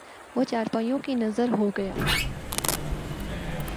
وہ چارپائیوں کی نذر ہو گیا